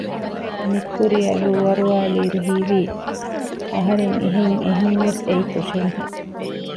ނިތްކުރިއަށް ރޫ އަރުވާލި އިރު ހީވީ އަހަރެން އެހެން އެހުންވެސް އެއީ ކުށެއް ހެން